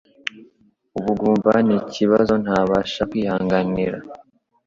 Ubugumba nikibazo ntabasha kwihanganira